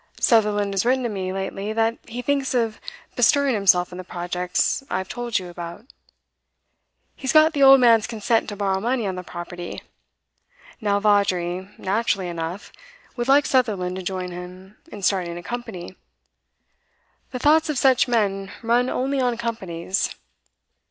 Sutherland has written to me lately that he thinks of bestirring himself in the projects I've told you about; he has got the old man's consent to borrow money on the property. Now Vawdrey, naturally enough, would like Sutherland to join him in starting a company; the thoughts of such men run only on companies.